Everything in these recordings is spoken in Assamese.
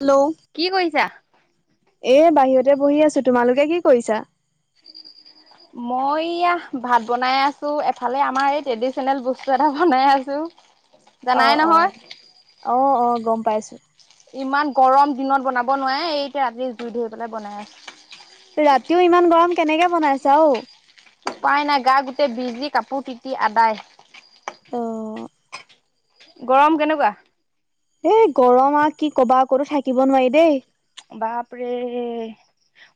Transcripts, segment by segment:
হেল্ল' কি কৰিছা? এ বাহিৰতে বহি আছো তোমালোকে কি কৰিছা? মই এয়া ভাত বনাই আছো এফালে আমাৰ এই ট্ৰেডিচনেল বস্তু এটা বনাই আছো। অ জানাই অ নহয়। অ', অ', গম পাইছোঁ। ইমান গৰম দিনত বনাব নোৱাৰে এই এতিয়া ৰাতি জুই ধৰি পেলাই বনাই আছো। ৰাতিও ইমান গৰম কেনেকে বনাইছা অ', উপায় নাই গা গোটেই বিজি কাপোৰ তিতি আদায়। অ', গৰম কেনেকুৱা? এই গৰম আৰু কি ক'বা আক'তো থাকিব নোৱাৰি দেই বাপৰে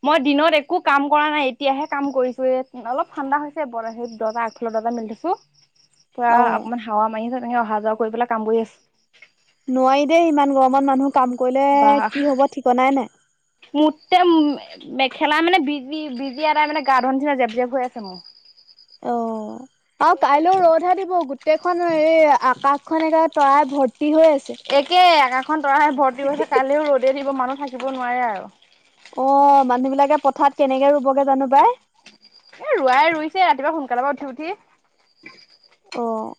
মই দিনত একো কাম কৰা নাই এতিয়াহে কাম কৰিছো হে অলপ ঠাণ্ডা হৈছে [unintelligible] [unintelligible] পুৰা অ অকমান হাৱা মাৰিছে তেনেকে অহা যোৱা কৰি পেলাই কাম কৰি আছো নোৱাৰি দেই ইমান গৰমত মানুহ কাম কৰিলে বাহ কি হ'ব ঠিকনাই নাই। মোতকে মেখেলা মানে বিজি -বিজি এটাই মানে [unintelligible] জেপ জেপ হৈ আছে মোৰ। অ', আৰু কাইলৈও ৰদহে দিব গোটেইখন এই আ আকাশখন একেবাৰে তৰাই ভৰ একে আকাখন তৰাহ ভৰ্তি কৰিছে কালিও ৰ'দে দিব মানুহ থাকিব নোৱাৰে আৰু। অ', মানুহ বিলাকে পথাত কেনেকে ৰুবগে জানো বাই এ ৰোৱাই ৰুইছে ৰাতিপুৱা সোনকালে পৰা উঠি উঠি। অ',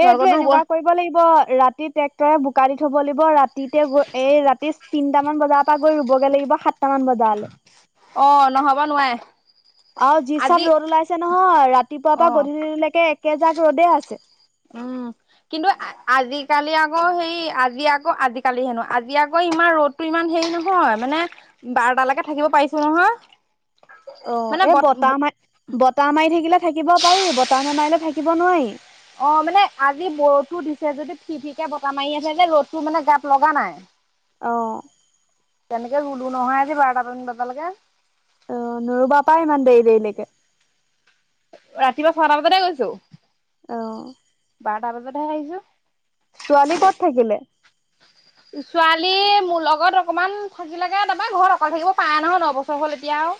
এইটো ৰুব এনেকুৱা কৰিব লাগিব ৰাতি ট্ৰেক্টৰে বোকা দি থব লাগিব ৰাতিতে গৈ এই ৰাতি তিনটামান বজাৰ পৰা গৈ ৰুবগৈ লাগিব সাতটামান বাজালে। অ', নহ'ব নোৱাৰে। অ', যি আজি চাত ৰ'দ ওলাইছে নহয় ৰাতিপুৱাৰ পৰা অ' গধূলিলৈকে একেজাক ৰ'দে আছে। উম। কিন্তু আজিকালি আকৌ সেই আজি আকৌ আজিকালি হেনো আজি আকৌ ইমান ৰ'দতটো ইমান হেৰি নহয় মানে বাৰ'টালৈকে থাকিব পাৰিছে নহয়। অ', মানে এই বত বতাহ মাৰি বতাহ মাৰি থাকিলে থাকিব পাৰি বতাহ নে মাৰিলে থাকিব নোৱাৰি। অ', মানে আজি বৰো দিছে যদি ফি ফিকে বতাহ মাৰি আছে ৰ'দটো মানে গাত লগা নাই। অ', তেনেকৈ [unintelligible] অ', নৰুবা পাই ইমান দেৰি দেৰিলে। ৰাতিপুৱা ছটা বজাতে গৈছো। অ', বাৰটা বজাতহে আহিছো। ছোৱালী ক'ত থাকিলে? ছোৱালী মোৰ লগত অকমান থাকিলেগে তাৰপৰা ঘৰত অকলে থাকিব পাৰি নহয় নবছৰ হল এতিয়া আউ।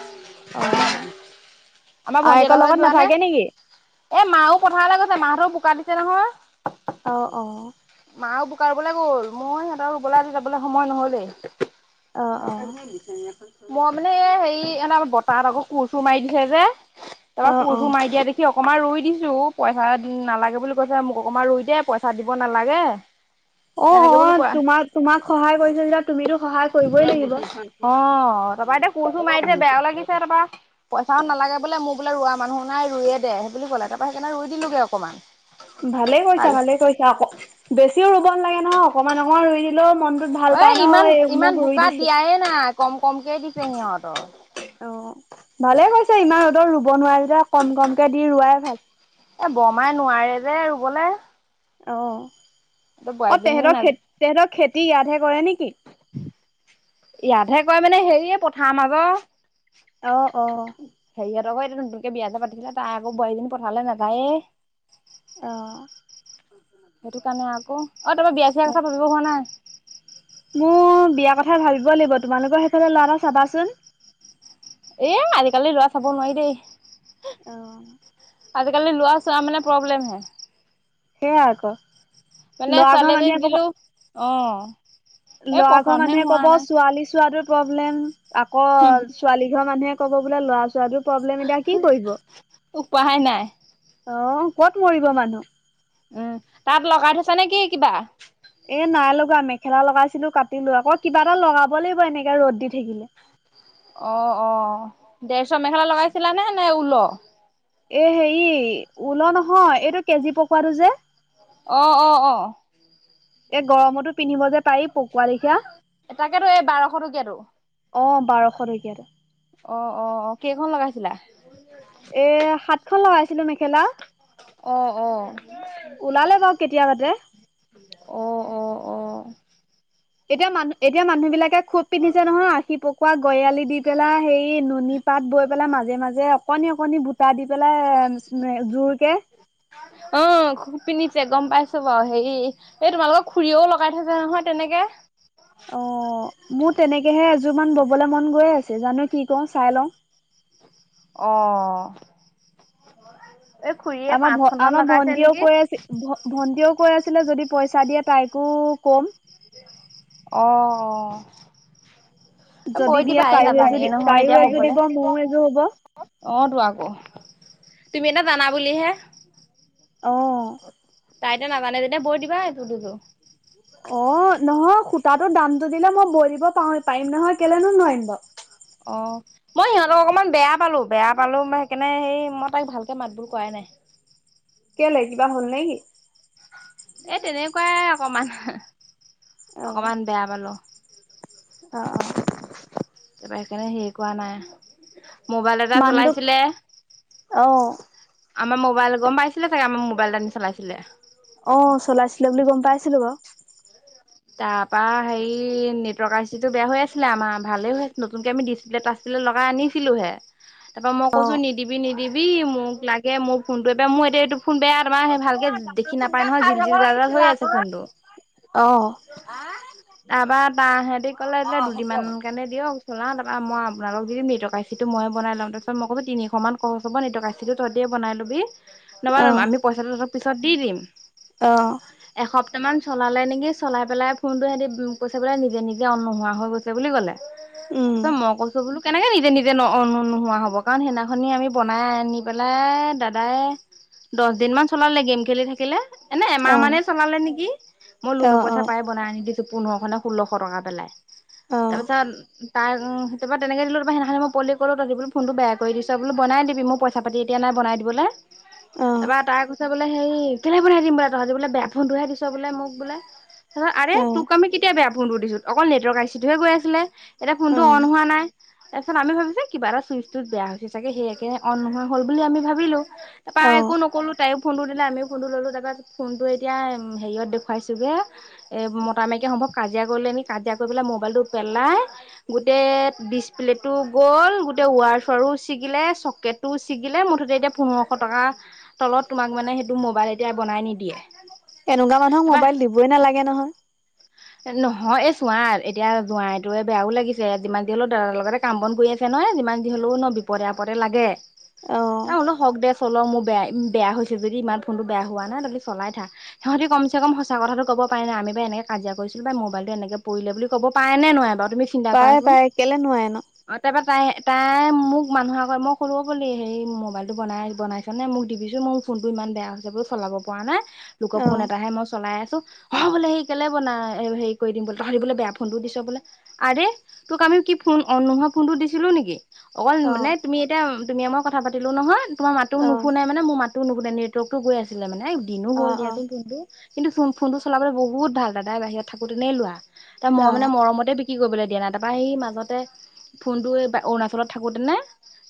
অ', আমাৰ আয়েকৰ ভণ্টিহতৰ ঘৰত লগত যোৱা নে, নাথাকে নেকি এ মাও পথাৰলৈ গৈছে মাহঁতেও বোকা দিছে নহয়। অ', অ', । মা বোকাবলৈ গ'ল, মই সিহঁতৰ ৰুবলাই আজি যাবলৈ সময় নহলেই। অ', অ', মই মানে এ হেৰি এনে বতাহত আকো ফটো মাৰি দিছে যে, তাৰপৰা অ অ অ ফটো মাৰি দিয়া দেখি অ অকণমান ৰুই দিছো পইচা নালাগে বুলি কৈছে মোক অকমান ৰুই দে পইচা দিব নালাগে অ', এনেকে বুলি অ', কোৱা তোমাক-তোমাক সহায় কৰিছিল যে তুমিতো সহায় কৰিবই লাগিব। অ তাৰপা এতিয়া কোৰ চোৰ মাৰিছে বেয়াও লাগিছে তাৰপা পইচাও নালাগে লাগে বোলে মোৰ বোলে ৰোৱা মানুহ নাই ৰুয়ে দে সেই বুলি ক'লে তাৰাপা সেইকাৰণে ই দিলোঁগে অকমান ভালে পাল কৰিছা ভালে কৰিছা আকৌ বেছিও ৰুব নালাগে নহয় অকমান অকমান ৰুই দিলেও মনটোত ভাল এ পাই ন ইমান এই মোক ইমান ৰুই বোকা দিছে। দিয়াই নাই কম কমকে দিছে সিহঁতৰ অ ভালে কৈছে ইমান ৰদত ৰুব নোৱাৰে যেতিয়া কম কমকে দি ৰোৱাই ভাল এ বমাই নোৱাৰে যে ৰুবলে অ বোৱাৰী অ দুজনীও তেহেতৰ না খেতি তেহেতৰ খেতি ইয়াতহে কৰে নেকি ইয়াতহে কয় মানে হেৰিয়ে পথাৰ মাজত অ অ তক এইটো নতুনকে বিয়া চিয়া পাতিছিলে তাই আকৌ বোৱাৰীজনী পথালে নাযায়েই অহ সেইটো কাৰণে আকৌ অ', তোমাৰ বিয়া চিয়াৰ কথা ভাবিব হোৱা নাই। মোৰ বিয়া কথা ভাবিব লাগিব তোমালোকৰ সেইফালে ল'ৰা চাবাচোন। এ আজিকালি ল'ৰা চাব নোৱাৰি দেই। অ আজিকালি লৱা চোৱা মানে প্ৰব্লেম হে সেয়া আক মানে ছোৱালী এজনীক দিলো অ এই লৰা ঘৰ পচন্দহে মানুহে হোৱা ক'ব নাই ছোৱালী চোৱাটো প্ৰব্লেম আকৌ ছোৱালী ঘৰ মানুহে কব বোলে লৰা ছোৱালীৰ প্ৰব্লেম এতিয়া কি কৰিব অ উপায় নাই কত মৰিব মানুহ উম তাত লগাই থৈছা নে কি কিবা এ নাই লগা মেখেলা লগাইছিলো কাটিলো আকৌ কিবা এটা লগাব লাগিব এনেকে ৰ'দ দি থাকিলে অ অ দেৰশ মেখেলা লগাইছিলানে নে ঊল এহে হেৰি ওল নহয় এইটো কেজি পকোৱাটো যে অ অ অ এ গৰমতো পিন্ধিব যে পাৰি পকোৱা লেখিয়া তাকেতো এই বাৰশ টকীয়াতো অ বাৰশটকীয়াটো অ অ অ কেইখন লগাইছিলা এ সাতখন লগাইছিলো মেখেলা অ অ ওলালে বাৰু কেতিয়াবাতে অ অ অ এতিয়া মানুহ এতিয়া মানুহ বিলাকে খুব পিন্ধিছে নহয় আশী পকোৱা গয়ালি দি পেলাই হেৰি নুনী পাত বৈ পেলাই মা মাজে মাজে অকনি অকনি বুটা দি পেলাই জোৰকে অ খুব পিন্ধিছে গম পাইছো বাৰু হেৰি এই তোমালোকৰ খুৰীয়েও লগাই থৈছো নহয় তেনেকে অ মোৰ তেনেকেহে এযোৰ মান ববলে মন গৈ আছে জানো কি কওঁ চাই লও অ' এই খুৰীয়ে আমাৰ পাঁচখনমান আমাৰ লগাইছে ভন্টিও নেকি কৈ আছে ভন্টিও কৈ আছে যদি পইচা দিয়ে তাইকো কম অ যদি বৈ দিয়ে দিবাহে তাইও নাজানে এযোৰ নহয় তাইও এতিয়া এযোৰ হবলে দিব মোৰো এযোৰ হ'ব অ তো‌ আকৌ তুমি এতিয়া জানা বুলিহে অ তাইতো নাজানে যেতিয়া বৈ দিবা এযোৰ দুযোৰ অ নহয় সো তাতো দামটো দিলে মই বৈ দিব প পাৰিম নহয় কেলেনো নোৱাৰিম বাও অ মই সিহঁতক অকনমান বেয়া পালো বেয়া পালো সেইকাৰণে সেই মই তাইক ভালকে মাতবোল কৰাই নাই হয় কেলে কিবা হ'ল নে কি এই তেনেকুৱাই অকমান অ অকমান বেয়া পালো। অ অ তাৰপৰা সেইকাৰণে হেৰি কৰা নাই মোবাইল এটা চলাইছিলে আহ আমাৰ মোবাইল গম পাইছিলে চাগে আমাক মোবাইল নি চলাইছিলে অ চলাইছিলে বুলি গম পাইছিলো বাৰু তাৰ পৰা হেৰি নেটৱৰ্ক আই চি টো বেয়া হৈ আছিলে আমাৰ ভালে হৈ আছিল নতুনকে আমি ডিচপ্লেত আছিলে- লগাই আনিছিলো হে তাৰ পৰা মই অ কৈছো নিদিবি নিদিবি মোক লাগে মোৰ ফোনটো এবাৰ মোৰ এতিয়া এই ফোন বেয়া তোমাৰ সেই ভালকে দেখি নাপায় নহয় জিল জিল জাল জাল হৈ আছে ফোনটো- অ তাপাৰ তাহেতি ক'লে এলে দুদিনমান কাৰণে দিয়ক। চলা তাৰপা মই আপোনালোক দি দিম নি তকাইচিটো মইয়ে বনাই লম তাৰপাছ মই কৈছো তিনিশ মান খৰচ হব নি তকাইচিটো তহতিয়ে। বনাই লবি নবা আমি পইচাটো তহতক পিছত দি দিম। আহ। কেইটামান চলালে নেকি চলাই পেলাই ফোনটো সিহতি কৈছে পেলাই নিজে নিজে অন নোহোৱা হৈ গৈছে বুলি কলে। উম তাৰপিছত মই কৈছো বোলো। কেনেকে নিজে নিজে ন নোহোৱা হ'ব কাৰণ সেইদিনাখনি আমি বনাই আনি পেলাই দাদাই। দহ দিন মান চলালে গেম খেলি থাকিলে এনে এমাহ অ মানে চলালে নেকি মই লোন অ পইছা অ আনি দিছো পোন্ধৰ খে ষোল্লশ টকা পেলাই অ তাৰ পিছত তাইৰো তেনেক দিলোৰ সদিনা মই পল ক'লোতি বো ফোনটো বেয়া কৰি দিছ বো বাই দিবি মই এতিয়া নাই। বনাই দিব ত অ তাৰ ক বোলে হেৰি কেলে বনাই দিম বোলে তহঁতি বোলে বেয়া ফোনটো দিছ বোলে মোক বোলে। তাৰপিছত আৰে অ তোক আমি কেতিয়া বেয়া ফোনটো দিছোঁ অকল নেটৱৰ্ক আইচিটোহে গৈ আছিলে এতিয়া অ ফোনটো অন হোৱা নাই। তাৰপিছত আমি ভাবিছ কিবা এটা চুইচটোত বেয়া হৈছে চাগে সেয়াকে অন নহয় হল বুলি আমি ভাবিলো। তাৰপৰা অ একো নকলো তাই ফোনটো দিলে আমিও ফোনটো ল'লোঁ তাৰপাছ ফোনটো এতিয়া হেৰিয়ত দেখুৱাইছোঁগৈ এ মতা মাইকী সম্ভৱক কাজিয়া কৰিবলে আনি কাজিয়া কৰি পেলাই মোবাইলটো পেলাই গোটেই ডিচপ্লেটো গ'ল গোটেই ৱাৰছ ৱাৰো ছিগিলে চকেটো ছিগিলে মুঠতে এতিয়া পোন্ধৰশ টকা তলত তোমাক মানে সেইটো মোবাইল এতিয়া বনাই নিদিয়ে এনেকুৱা মানুহক তাৰপা মোবাইল দিবই নালাগে নহয়। নহয় এই চোৱা এতিয়া জোৱাইটো বেয়াও লাগিছে যিমান যি হলেও দাদাৰ লগতে কাম বন কৰি আছে ন ন যিমান দিন হলেও ন বিপদ আপৰে লাগে অ ত হল শ চল মোৰ বেয়া বেয়া হৈছে যদি ইমান ফোনটো বেয়া হোৱা নাই তহলে চলাই থাক সিহঁতি কম চে কম সঁচ কথাটো ক'ব। প নাই আমি বা এনেক কাজিয়া কৰিছিলোই মবাইলটো এনেক পৰিলে বুলি কব পাৰে নে নোৱৰে‌ বাৰু তুমি চিন্তা পাৰে কৰাচোন পাৰে কেলে নোৱাৰে ন অ তাৰপ তাই তাই মোক মানুহ আগত মই সৰু বুলি সেই মোবাইলটো বনাই বনাইছে নে মোক দিবিচো মোক ফোনটো ইমান বেয়া হৈছে বুলো চলাব পৰা নাই লোক অ ফোন এটাহে মই চলাই আছো অ বোলে সেই কেলে বনাই হেৰি কৰি দিম বোলে তাহৰি বোলে বেয়া ফোন টো দিছ বোলে আৰে তোক আমি কি ফোন অন নোহোৱা ফোনটো দিছিলো নেকি অকল অ মানে তুমি এতিয়া তুমি মই কথা পাতিলো নহয় তোমাৰ মাতো অ নুশুনে নাই মানে মোৰ মাতো নুন নি নেটৰ্কতটো গৈ আছিলে মানে দিনো অ হ'ল দিয়ান ফোনটো কিন্তু ফোন ফোনটো চলাবলৈ বহুত ভাল দাদাই বাহিৰত থাকোতেনে লোৱা তাৰ ম অ অ অ মানে মৰমতে কি কৰিবলৈ দিয়া নাই তাৰপৰা সি মাজতে ফোনটো অৰুণাচলত থাকোতেনে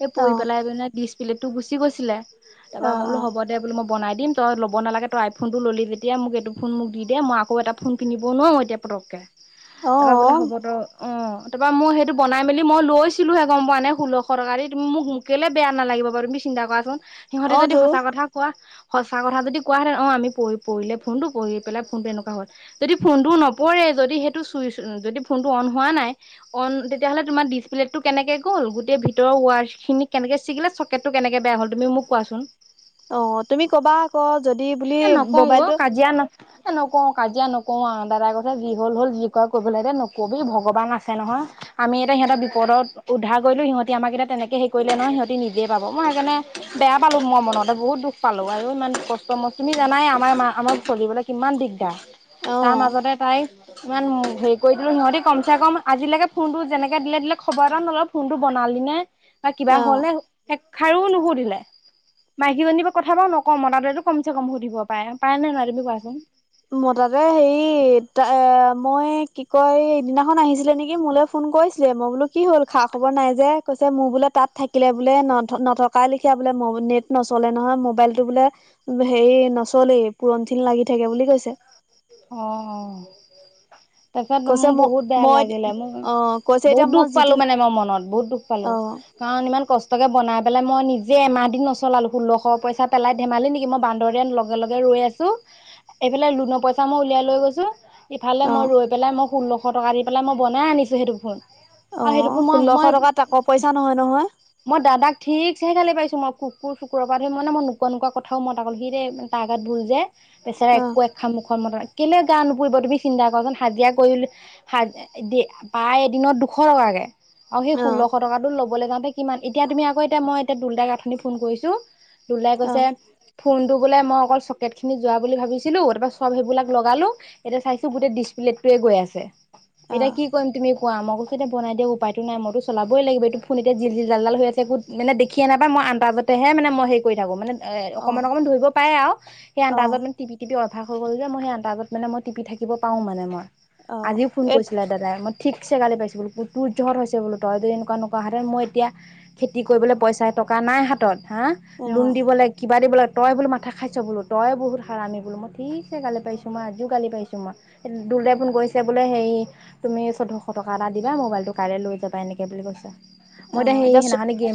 এই পৰি পেলাই ডিচ প্লে গুচি গৈছিলে অ অ তাৰপৰা মই বোলো হ'ব দে বোলো মই বনাই দিম তই ল'ব নালাগে তই আইফোনটো ল'লি যেতিয়া মোক এইটো ফোন মোক দিয়ে মই আকৌ এটা ফোন কিনি বনোৱা এতিয়া পতককে অ তাৰপৰা বোলে হ'বতো। অ তাৰপৰা মই সেইটো বনাই মেলি মই লৈছিলোহে গম পোৱা নে ষোল্লশ টকা দি তুমি মোক‌ কেলে বেয়া নালাগে পাৰো তুমি চিন্তা কৰাচোন সিহঁতে অ যদি তো সঁচা কথা কোৱা। সঁচা কথা যদি কোৱােতেন অ আমি পি পঢ়লে ফোনটো পঢ়ি পেলাই ফোনটো এনেকুৱা হ'ল । যদি ফোনটো নপৰে যদি সেইটো চুইচ যদি ফোনটো অন হোৱা নাই অন তেতিয়াহ'লে তোমাৰ ডিচপ্লে' । কেনেক গ'ল গটেই ভিতৰ ৱা খিনি কেনেকে ছিলে চকেটতটো কেনেকে বেয়া হ'ল তুমি মোক কোৱাচোন । অ তুমি কবা ক এ নকওঁ ক কাজিয়া ন নক কাজিয়া নকো আৰু দাদাই কথা যি হ'ল হ'ল যি ক কৰিবলৈতে নকবি ভগৱান আছে নহয় আমি এ । সিহঁত বিপদত উদ্ধাৰ কৰিলো সিহঁতি আমাক এতিয়া তেনেকে হেৰি কৰিলে নয় সিহঁতি নিজে পাব মই সেইকাৰে বেয়া পালো । মই মনতে বহুত দুখ পালো আৰু ইমান কষ্ট মষ্ট তুমি জানাই আমাৰ আমাক চলিবলৈ কিমান দিগদাৰ অ তাৰ মাজতে তাই । ইমান হেৰি কৰি দিলো সিহঁতি কমচে কম আজিলৈকে ফোনটো যেনেকে দিলে দিলে খবৰ এটা নললে ফোনটো বনাল কি নে বা কিবা অ হলে একষাৰো নুশুধিলে মাইকীজনী পৰা কথা বাৰু নকওঁ মতাতো কম কম সুধিব পাই নহয় তুমি কোৱাচোন মতাটোয়ে তাতে হেৰি ত মই কি কয় সদিনাখন আহিছিলে নেকি মোলৈ ফোন কৈছিলে মই বোলো কি হ'ল খা খবৰ নাই যে কৈছে মোৰ বোলে তাত থাকিলে বোলে ন নথকাই লিখিয়া বো । নেট নচলে নহয় মোবাইলতো বোলে হেৰি নচলেই পুৰনথিন লাগি থাকে বুলি কৈছে । আহ অ । তখেতোৰ কৈছে ম বহুত বেয়া মই লাগিলে মোৰ অ কৈছে । এতিয়া বহুত মই দুখ যিটো পালো মানে মই মনত বহুত দুখ পালো অ কাৰণ ইমান কষ্ট বাই পাই মই নিজে এাহ দিন নলালো ষো্শ পইা পেলাই ধেমালি নেকি মই বান্দৰ লগে লগে । গৈ আছো এইফালে লোনৰ পইচা মই উলিয়াই লৈ গৈছো ইফালে অ মই ৰৈ‌ পেলা ষোল্লশ । ফ টকা দি পেলাই মই বনাই আনিছোঁ সেইটো ফোন । অ সেইটো মই ষোল্লশ মই টকা তাকৰ পইচা নহয় নহয় মই দাদাক ঠিক চহে গালে পাইছো মই । কুকুৰ চুকুৰৰ পৰা ধৰি মানে মই নোকোৱা নোকোৱা কথাও মইত আোলো সিেই তাৰ আগাত ভুল যে । পেছাৰ অ একো এক খামুখোৱা মত । কেলে গা নুপুৰিব তুমি চিন্তা কৰাচোন হাজিৰা কৰিল পাই এদিনত দুশ টকাকে আৰু সেই ষোল্লশ অ টকাাতো লব য কিমান এতিয়ামি আকৌ এতি মই এ দ গথনি ফোন কৰিছো লাই অ কৈছে ফোনটো বোলে মই অকল চকেট খিনি। যোৱা বুলি ভাবিছিলো তাৰপৰা চব সেইবিলাক লগালো এতিয়া চাইছো গোটেই ডিচপ্লেটয়ে গৈ আছে । অ এতিয়া কি কৰিম তুমি ক আমকো স বাইিয় উপায়ো নাই মইো চলই লাগিব এইটো ফোন এতিয়া জিল জালডাল হৈ আছে একত মানে দেখিয়ে নাপা মই আন্তাজতেহে মানে মই হে কৰি থাকো মানে এ অ অকমান অকণমান ধৰিব পাৰে আৰু সেই অ আন্তাজত মানে টপি টি । অভাস হৈ গ'ল যে মই স আটা আগত মানে মই টিপি থাকিব পাো মানে মই অ আজিও ফোন এ কৰিছিলে দাদাই মই ঠিক চে গালি পাইছে বোলো তোৰ জত হৈছে বোলো তই যদি এনেকুৱা নুৱ হেতে মই এতিয়া খেতি কৰিবলৈ পইচা । টকা নাই হাতত হা অ লোন দিব লাগ কিবা দিব লাগে তই বোলো মাথা খাইছ বোলো তই । বহুত হাৰামিো মই ঠিকছে গালি পাইছোঁ মই আও গালি পাইছোঁ মই দুুল দেফোন গৈছে বোলে হেৰি তুমি চৈধ্যটা টকা এটা দিবা মোবাইলটো কাইলৈ লৈ যাবা এনেকে বুলি কৈছে । অ এতিয়া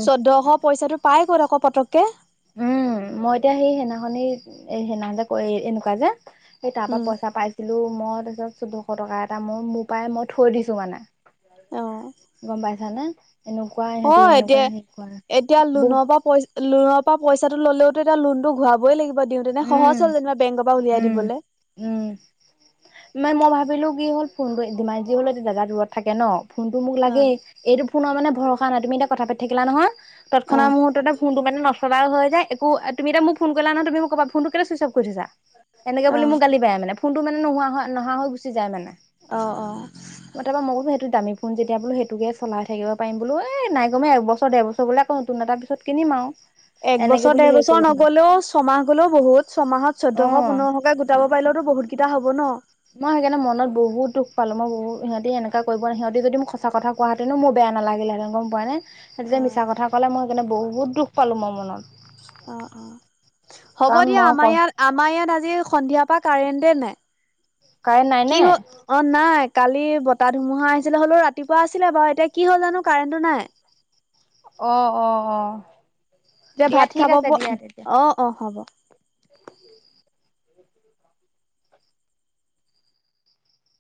চৈধ্যশ পইচাটো পাই গ'ল আকৌ পতককে । উম মই এতিয়া সেই সেনাখনিৰ সেনাখন যে এনেকুৱা যে । স তাৰ পৰা উম পইচা পাইছিলো মই তাৰ পিছত দুশ টকা এটা মোৰ মোৰ পৰাই মই থৈ দিছো মানে অ । গম পাইছা নে? অ এতিয়া এতিয়া বহু লোনৰ পৰা পইচা লোনৰ পৰা পইচাটো ল'লেওতো এয়া লোনটো ঘূৰাই লাগিব । উম উম দিবলে উম মে মই ভাবিলো । কি হ'ল ফোনটোিমাৰজি হল জোগা ৰূৰত থাকে ন ফোন টো মোক অ লাগেই এইটো ফোননৰ মানে ভৰসা নাই তুমি এয়া কথা পা থাকিলা নহয় তৎক্ষণ অ মুহৰ্ততেোনটো মে ন চবা হৈ যায় একো তুমি এতি মোক ফোন কৰিলা ন তুমি ম কা ফোনটো কে চই অফ কৰি থৈছা । এনেকে বুলি মোক গালি পায় মানে ফোনটো মানে নোহোৱা নহা হৈ গুচি যায় মানে অ অ দাম ফোন যেতি বো সেইটোকে চলাই থাক পাৰিম বো এই নাইমে একবছৰ বছৰ বলেকৌ নতুন এটা পিছত কিনি মাওঁ একবছৰ দেৰ বছৰ নগ'লেও ছমাহ গলেও বহুত ছমাহত চৈধ্যশ অ'। পোন্ধৰশকে গোটাব পাৰিলো । টো বহুত কেইটা হ'ব ন'? মই সেইকাৰণে মনত বহুত দুখ পালোঁ । মই বহু- সিহঁতি এনেকা কৰিব ন। সিহঁতি যদি মোক সঁচা কথা কোৱা হেতেনো, মোৰ বেয়া বেয়া নালাগিলেঁতেন, গম পোৱা নে? সেইটো অ যে মিছা কথা ক'লে, মই সেইকাৰণে বহুত দুখ পালোঁ মই মনত। অ' - অ', হ'ব কাৰণ দিয়া । মই আমাৰ ক ইয়াত- আমাৰ ইয়াত আজি সন্ধিয়া তা কাৰেণ্টে নাই। কাৰেণ্ট নাই কি নে হ- অ' নাই, কালি ব তা ধুমুহা আহিছিলে হ'লেও ৰাতিপুৱা আছিলে বাৰু। এতিয়া কি হ'ল জানো? কাৰেণ্টটো নাই। অ' - অ' - অ'। এতিয়া দিয়া ভাত ঠিক খাব আছে প- দিয়া তেতিয়া অ'- অ' হ'ব।